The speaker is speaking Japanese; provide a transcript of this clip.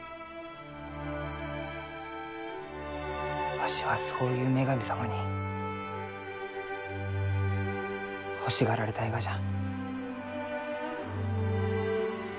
わしはそういう女神様に欲しがられたいがじゃ。